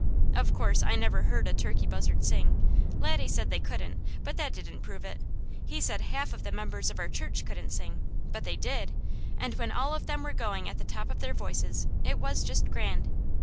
Of course, I never heard a turkey buzzard sing. Laddie said they couldn't; but that didn't prove it. He said half the members of our church couldn't sing, but they DID; and when all of them were going at the tops of their voices, it was just grand.